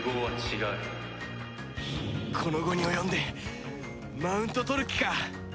この期に及んでマウント取る気か？